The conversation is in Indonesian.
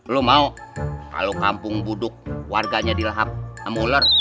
lu mau kalo kampung buduk warganya dilahap emuler